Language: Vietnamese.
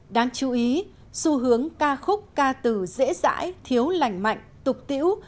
đáng chú ý xu hướng ca khúc ca từ dễ dãi thiếu lành mạnh tục tiễu